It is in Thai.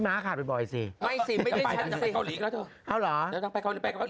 น่าไปเกาหลีก